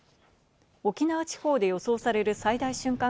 沖縄地方で予想される最大瞬間